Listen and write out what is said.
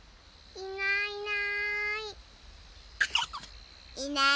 いないいない。